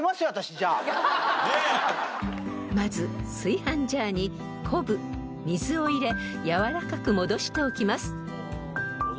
［まず炊飯ジャーにコブ水を入れ軟らかく戻しておきます］